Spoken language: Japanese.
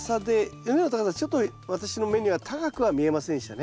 畝の高さちょっと私の目には高くは見えませんでしたね。